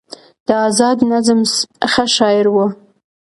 د ازاد نظم ښه شاعر و